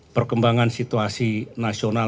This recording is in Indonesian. perkembangan situasi nasional